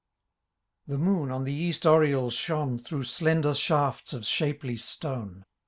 The moon on the east oriel shone' Through slender shafts of shapely stone.